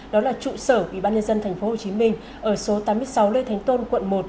đó là trụ sở ủy ban nhân dân tp hcm ở số tám mươi sáu lê thánh tôn quận một